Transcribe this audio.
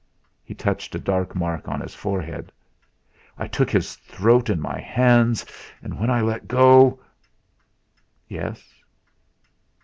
he touched a dark mark on his forehead "I took his throat in my hands, and when I let go " "Yes?"